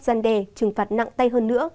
gian đe trừng phạt nặng tay hơn nữa